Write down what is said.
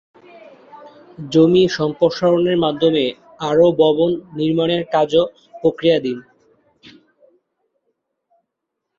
জমি সম্প্রসারণের মাধ্যমে আরো ভবন নির্মাণের কাজও প্রক্রিয়াধীন।